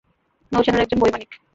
নৌ-সেনার একজন বৈমানিক।